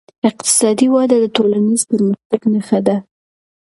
اقتصادي وده د ټولنیز پرمختګ نښه ده.